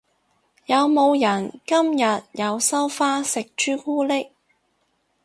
有冇人今日有收花食朱古力？